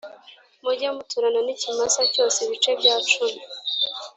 Mujye muturana n ikimasa cyose ibice bya cumi